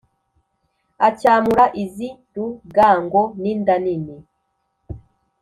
acyamura izi rugango ninda nini